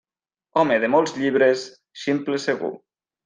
Home de molts llibres, ximple segur.